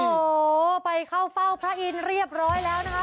โอ้โหไปเข้าเฝ้าพระอินทร์เรียบร้อยแล้วนะคะ